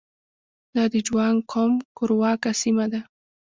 دا د جوانګ قوم کورواکه سیمه ده.